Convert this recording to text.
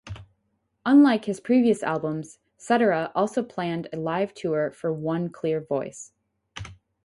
Unlike his previous albums, Cetera also planned a live tour for "One Clear Voice".